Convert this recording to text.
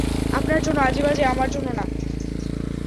আপনার জন্য আজেবাজে, আমার জন্য না।